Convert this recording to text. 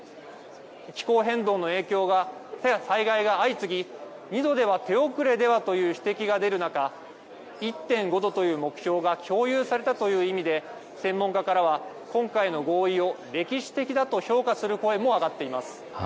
気候変動の影響で災害が相次ぎ、２度では手遅れではとの指摘が出る中、１．５度という目標が共有されたという意味で、専門家からは今回の合意を歴史的だと評価する声も上がっています。